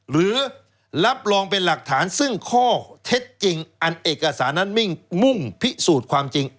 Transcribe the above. หรือรับรองเป็นหลักฐานซึ่งข้อเท็จจริงอันเอกสารนั้นมุ่งพิสูจน์ความจริง